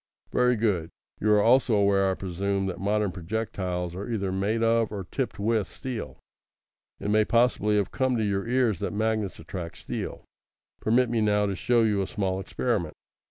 "Very good. You are also aware, I presume, that modern projectiles are either made of or tipped with steel. It may possibly have come to your ears that magnets attract steel. Permit me now to show you a small experiment."